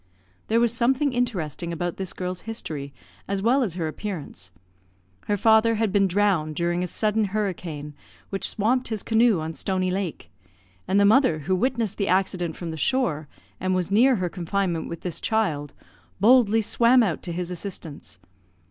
There was something interesting about this girl's history, as well as her appearance. Her father had been drowned during a sudden hurricane, which swamped his canoe on Stony Lake; and the mother, who witnessed the accident from the shore, and was near her confinement with this child, boldly swam out to his assistance.